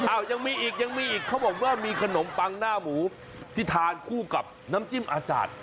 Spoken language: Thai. ยังมีอีกยังมีอีกเขาบอกว่ามีขนมปังหน้าหมูที่ทานคู่กับน้ำจิ้มอาจารย์